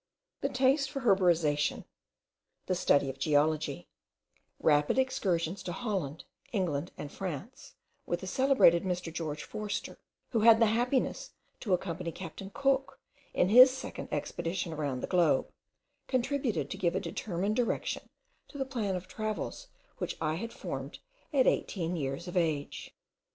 The taste for herborisation, the study of geology, rapid excursions to Holland, England, and France, with the celebrated Mr. George Forster, who had the happiness to accompany captain Cook in his second expedition round the globe, contributed to give a determined direction to the plan of travels which I had formed at eighteen years of age.